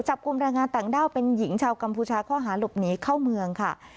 จับกลุ่มแรงงานต่างด้าวเป็นหญิงชาวกัมพูชาข้อหาหลบหนีเข้าเมืองค่ะ